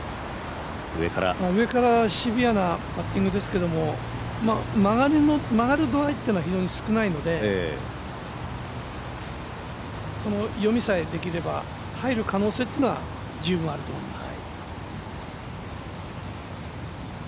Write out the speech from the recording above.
上からシビアなパッティングですけど曲がる度合いっていうのは非常に少ないので、その読みさえできれば、入る可能性っていうのは十分あると思います。